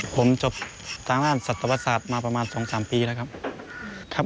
ผมจบทางด้านสัตวศาสตร์มาประมาณ๒๓ปีแล้วครับ